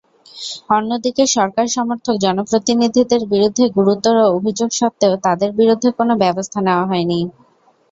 অন্যদিকে সরকার–সমর্থক জনপ্রতিনিধিদের বিরুদ্ধে গুরুতর অভিযোগ সত্ত্বেও তাঁদের বিরুদ্ধে কোনো ব্যবস্থা নেওয়া হয়নি।